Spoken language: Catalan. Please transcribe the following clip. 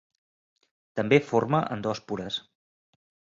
També forma endòspores.